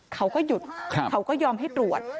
เขาก็หยุดเขาก็ยอมให้ตรวจ